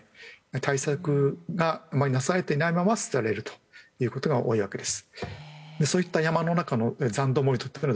対策があまりなされていないまま捨てられるということが多いわけです。